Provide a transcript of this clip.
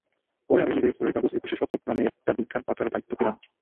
পরে আমি নিজেই ভোরের কাগজে একুশ শতক নামে একটা বিজ্ঞান পাতার দায়িত্ব পেলাম।